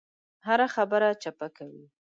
هره خبره چپه کوي.